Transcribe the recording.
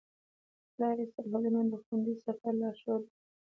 د لارې سرحدونه د خوندي سفر لارښود دي.